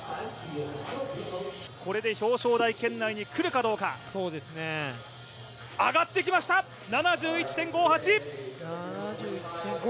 これで表彰台圏内に来るかどうか、上がってきました、７１．５８！